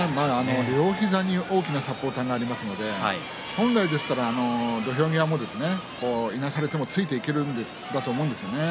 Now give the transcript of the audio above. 両膝に大きなサポーターがありますので本来でしたら土俵際もいなされてもついていけるんだと思うんですね。